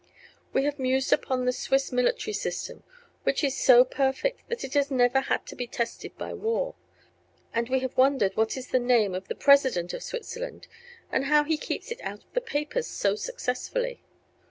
We have mused upon the Swiss military system, which is so perfect that it has never had to be tested by war; and we have wondered what is the name of the President of Switzerland and how he keeps it out of the papers so successfully.